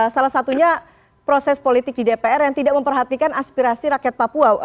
salah satunya proses politik di dpr yang tidak memperhatikan aspirasi rakyat papua